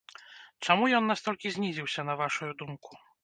Чаму ён настолькі знізіўся, на вашу думку?